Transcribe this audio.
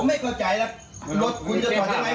ผมไม่เข้าใจล่ะรถคุณจะถอดอย่างไร